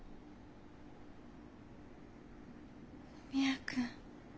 文也君。